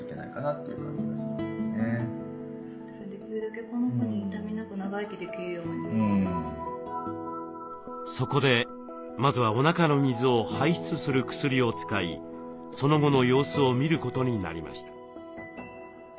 エコーの結果見つけたのはそのためそこでまずはおなかの水を排出する薬を使いその後の様子を見ることになりました。